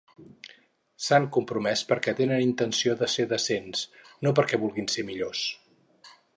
S'han compromès perquè tenen intenció de ser decents, no perquè vulguin ser millors.